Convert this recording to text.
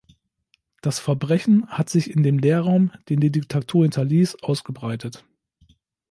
Das Verbrechen hat sich in dem Leerraum, den die Diktatur hinterließ, ausgebreitet.